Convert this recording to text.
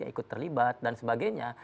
ikut terlibat dan sebagainya